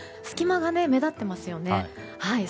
隙間が目立っていますよね。